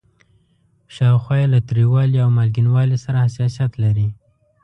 شاوخوا یې له تریوالي او مالګینوالي سره حساسیت لري.